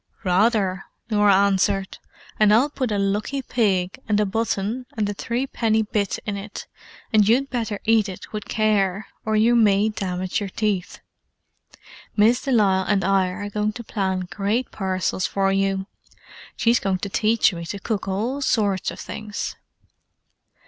"Rather!" Norah answered. "And I'll put a lucky pig, and a button, and a threepenny bit in it, so you'd better eat it with care, or you may damage your teeth. Miss de Lisle and I are going to plan great parcels for you; she's going to teach me to cook all sorts of things."